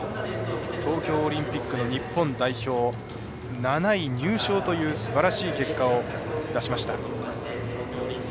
東京オリンピックの日本代表、７位入賞というすばらしい結果を出しました。